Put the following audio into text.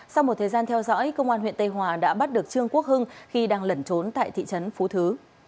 sau một thời gian theo dõi công an huyện tây hòa đã bắt được trương quốc hưng khi đang lẩn trốn tại thị trấn phú thứ